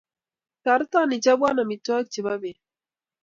Toreto ichopwo amitwogik chebo pet